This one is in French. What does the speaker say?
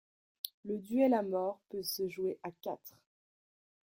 Le duel à mort peut se jouer à quatre.